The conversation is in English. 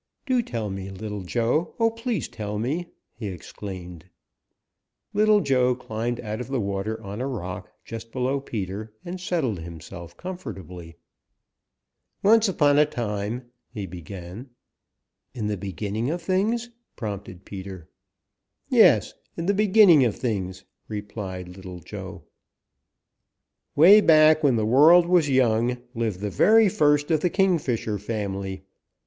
"Do tell me, Little Joe! Oh, please tell me!" he exclaimed. Little Joe climbed out of the water on a rock just below Peter and settled himself comfortably. "Once upon a time," he began. "In the beginning of things," prompted Peter. "Yes, in the beginning of things," replied Little Joe, "way back when the world was young, lived the very first of the Kingfisher family.